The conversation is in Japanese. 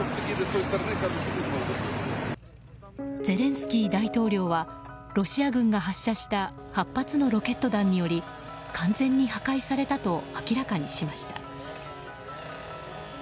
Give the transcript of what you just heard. ゼレンスキー大統領はロシア軍が発射した８発のロケット弾により完全に破壊されたと明らかにしました。